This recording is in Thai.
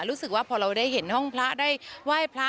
รู้สึกว่าพอเราได้เห็นห้องพระได้ไหว้พระ